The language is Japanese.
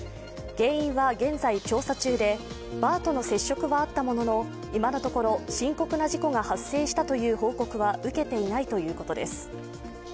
原因は現在調査中で、バーとの接触があったものの今のところ深刻な事故が発生したという報告は受けていないということです。